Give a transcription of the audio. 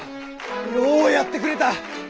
ようやってくれた。